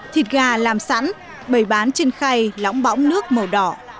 thịt gà làm sẵn bày bán trên khay lóng bõng nước màu đỏ